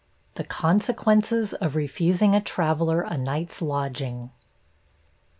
THE CONSEQUENCES OF REFUSING A TRAVELLER A NIGHT'S LODGING.